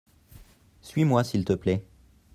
Suis-moi s’il te plait .